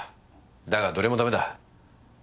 だがどれもダメだ。